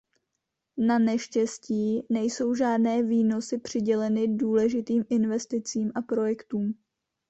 Naneštěstí nejsou žádné výnosy přiděleny důležitým investicím a projektům.